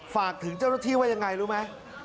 ฝากถึงเจ้าหน้าที่ว่ายังไงรู้ไหม